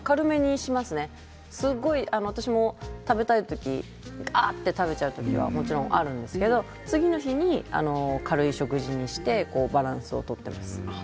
私もすごい食べたい時、がーって食べたい時はもちろんあるんですけれど次の日に軽い食事にしてバランスをとっています。